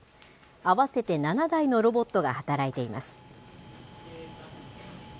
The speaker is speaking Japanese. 合わせて７台のロボットが働いています。